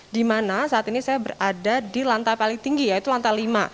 di mana saat ini saya berada di lantai paling tinggi yaitu lantai lima